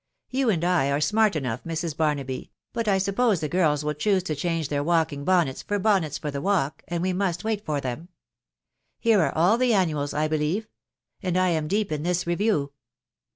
..«. You and I are smart enough, Mrs. Baroahy, but I suppose the girls will choose to change their walking bonnets for bonnets far the walk, and we must wait for them* Here are all the annuals* I believe, .... and I am deep in this review."